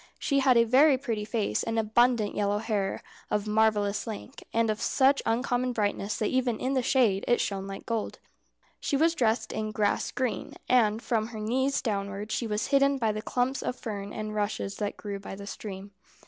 She had a very pretty face, and abundant yellow hair of marvellous length, and of such uncommon brightness that even in the shade it shone like gold. She was dressed in grass green, and from her knees downwards she was hidden by the clumps of fern and rushes that grew by the stream.